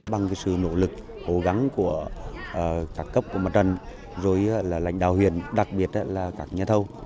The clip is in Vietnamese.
bằng sự nỗ lực cố gắng của các cấp của mặt trận rồi là lãnh đạo huyện đặc biệt là các nhà thầu